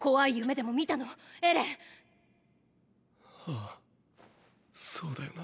あぁそうだよな。